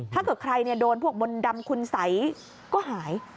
ถ้าเกิดใครโดนพวกมนต์ดำคุณสัยก็หาย